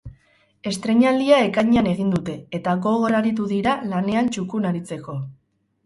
Estreinaldia ekainean egin dute, eta gogor aritu dira lanean txukun aritzeko.